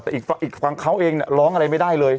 แต่อีกฝั่งเขาเองเนี่ยร้องอะไรไม่ได้เลย